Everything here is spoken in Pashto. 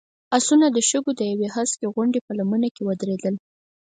آسونه د شګو د يوې هسکې غونډۍ په لمنه کې ودرېدل.